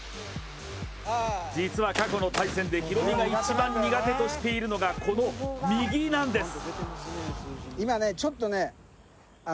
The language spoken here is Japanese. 実は過去の対戦でヒロミが一番苦手としているのが、この右なんです。